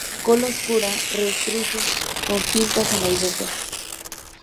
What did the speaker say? Cola oscura; rectrices con pintas amarillentas.